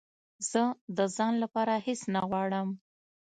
زه د ځان لپاره هېڅ نه غواړم